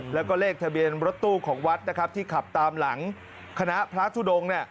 แล้วก็เลขทะเบียนรถตู้ของวัดนะครับที่ขับตามหลังคณะพระทุดง